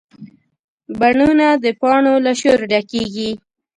بڼونه د پاڼو له شور ډکېږي